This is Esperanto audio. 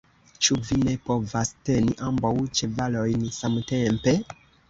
Ĉu vi ne povas teni ambaŭ ĉevalojn samtempe?